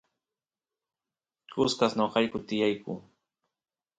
kusqas noqayku tiyayku